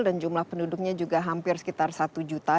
dan jumlah penduduknya juga hampir sekitar satu juta